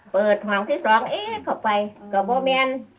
เปิดห่องที่สองเอ๊ะเข้าไปก็โบเมียน